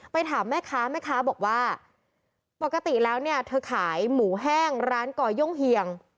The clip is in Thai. ถามแม่ค้าแม่ค้าบอกว่าปกติแล้วเนี่ยเธอขายหมูแห้งร้านก่อย่งเฮียง